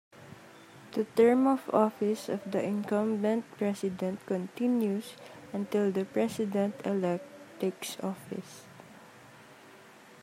The term of office of the incumbent president continues until the President-elect takes office.